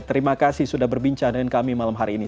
terima kasih sudah berbincang dengan kami malam hari ini